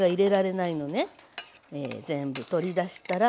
全部取り出したら。